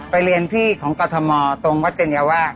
ไปเรียนที่ของกรธมตรงวัดเจนเยาะ